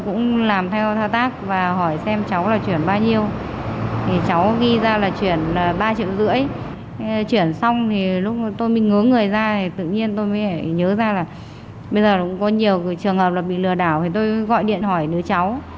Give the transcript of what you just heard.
chuyển xong thì lúc tôi mới ngớ người ra thì tự nhiên tôi mới nhớ ra là bây giờ cũng có nhiều trường hợp là bị lừa đảo thì tôi gọi điện hỏi đứa cháu